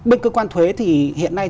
bên cơ quan thuế thì hiện nay